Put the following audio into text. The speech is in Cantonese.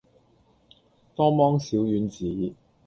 多芒小丸子